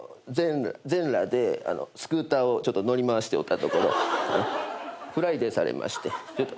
全裸でスクーターをちょっと乗り回しておったところフライデーされまして。